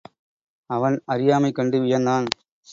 அவன் அறியாமை கண்டு வியந்தான்.